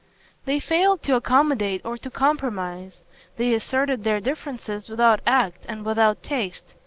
They failed to accommodate or to compromise; they asserted their differences without tact and without taste.